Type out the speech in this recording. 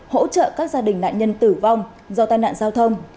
hỗ trợ các gia đình nạn nhân tử vong do tai nạn giao thông